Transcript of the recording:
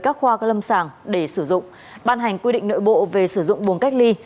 các khoa lâm sàng để sử dụng ban hành quy định nội bộ về sử dụng buồng cách ly